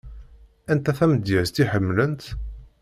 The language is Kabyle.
Anta tamedyazt i ḥemmlent?